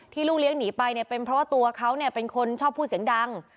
ลูกเลี้ยงหนีไปเนี่ยเป็นเพราะว่าตัวเขาเป็นคนชอบพูดเสียงดัง